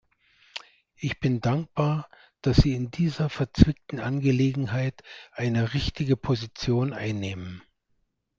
Ich bin dankbar, dass sie in dieser verzwickten Angelegenheit eine richtige Position einnehmen.